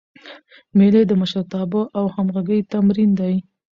مېلې د مشرتابه او همږغۍ تمرین دئ.